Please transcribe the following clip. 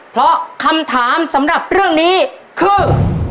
เพราะคำถามสำหรับเรื่องนี้คือ